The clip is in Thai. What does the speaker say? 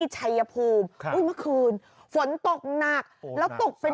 ที่ชัยภูมิค่ะทุกขุมฝนตกหนักแล้วตบเป็น